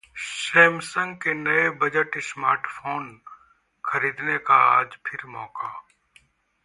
Samsung के नए budget smartphone खरीदने का आज फिर मौका